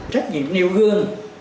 trách nhiệm nêu gương